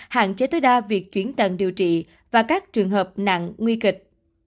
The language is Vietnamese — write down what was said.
hạn chế tối đa việc chuyển tần điều trị và các trường hợp nặng nguy kịch